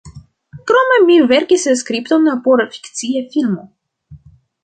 Krome mi verkis skripton por fikcia filmo.